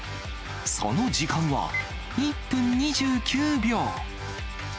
その時間は１分２９秒。